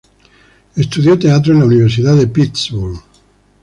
Estudió teatro en la Universidad de Pittsburgh.